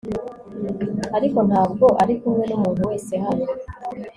Ariko ntabwo ari kumwe numuntu wese hano